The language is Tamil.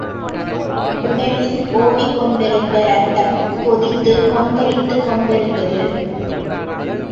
உடலில் ஓடிக் கொண்டிருந்த இரத்தம் கொதித்துக் கொந்தளித்துக்கொண்டிருந்தது.